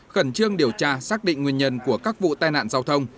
khẩn trương điều tra xác định nguyên nhân của các vụ tai nạn giao thông